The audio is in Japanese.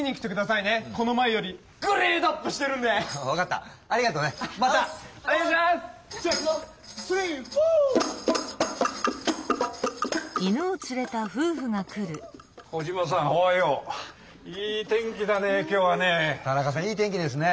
いい天気ですね。